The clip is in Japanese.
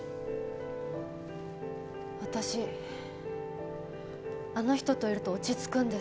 私あの人といると落ち着くんです！